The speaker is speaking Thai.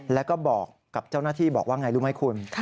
แล้วก็บอกกับเจ้าหน้าที่บอกว่าไงรู้ไหมคุณ